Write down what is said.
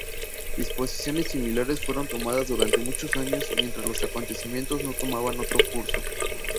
Disposiciones similares fueron tomadas durante muchos años mientras los acontecimientos no tomaban otro curso.